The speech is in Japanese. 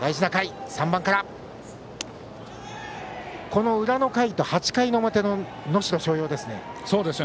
この裏の回と８回の表の能代松陽ですね。